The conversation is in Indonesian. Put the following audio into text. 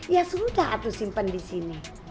ya sudah harus simpan di sini